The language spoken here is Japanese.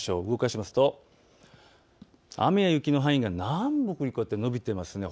動かしますと雨や雪の範囲が南北に延びています。